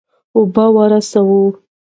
اوبه ورسوه.